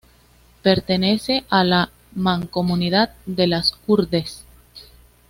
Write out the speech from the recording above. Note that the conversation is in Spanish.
Pertenece a la mancomunidad de Las Hurdes.